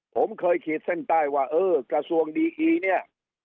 ผมเคยคิดเส้นใต้ว่ากระทรวงดีอี